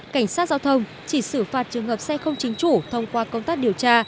cảnh sát giao thông chỉ xử phạt trường hợp xe không chính chủ thông qua công tác điều tra